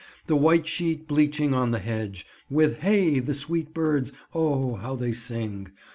The white sheet bleaching on the hedge,— With hey! the sweet birds, O how they sing!